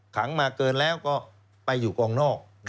ขังมาเกินแล้วก็ไปอยู่กองนอก